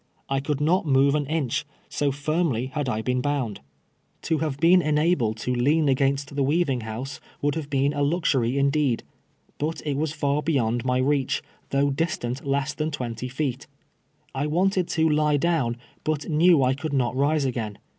I could not move an inch, so firmly had I been bound. To have been enabled to CHAPm's UKEASINESS. 119 lean against tlie weaving liouse would have been a Inxnry indeed. But it was far beyond my reach, though distant less than twenty feet. I wanted to lie down, but knew I could not rise again.